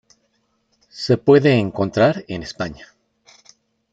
Se puede encontrar en España.